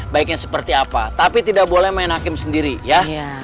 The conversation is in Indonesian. baiknya seperti apa tapi tidak boleh main hakim sendiri ya